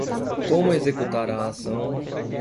Como Executar a Ação